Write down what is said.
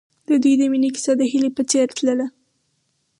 د دوی د مینې کیسه د هیلې په څېر تلله.